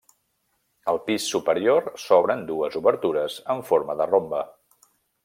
Al pis superior s'obren dues obertures en forma de rombe.